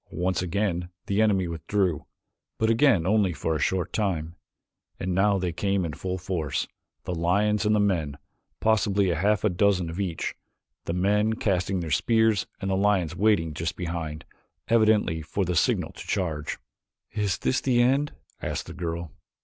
Once again the enemy withdrew, but again only for a short time, and now they came in full force, the lions and the men, possibly a half dozen of each, the men casting their spears and the lions waiting just behind, evidently for the signal to charge. "Is this the end?" asked the girl.